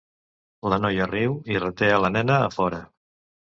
La noia riu i reté a la nena a fora.